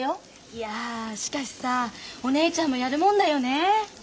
いやしかしさお姉ちゃんもやるもんだよね。